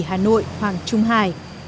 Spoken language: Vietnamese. hà nội hoàng trung hải